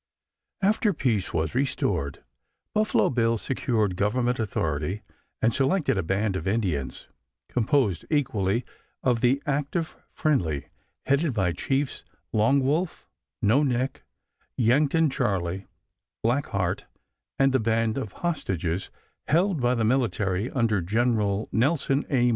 After peace was restored Buffalo Bill secured Government authority and selected a band of Indians composed equally of the "active friendly," headed by Chiefs Long Wolf, No Neck, Yankton Charley, Black Heart, and the "band of hostages" held by the military under Gen. Nelson A.